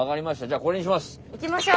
じゃあこれにします。